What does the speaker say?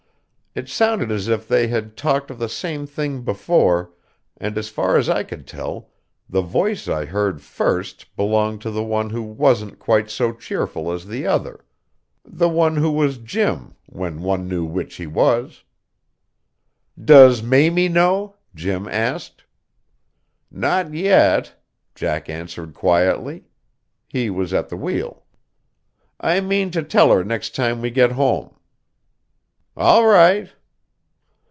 It sounded as if they had talked of the same thing before, and as far as I could tell, the voice I heard first belonged to the one who wasn't quite so cheerful as the other, the one who was Jim when one knew which he was. "Does Mamie know?" Jim asked. "Not yet," Jack answered quietly. He was at the wheel. "I mean to tell her next time we get home." "All right."